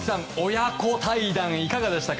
親子対談、いかがでしたか？